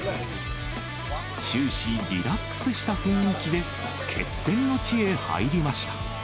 終始、リラックスした雰囲気で決戦の地へ入りました。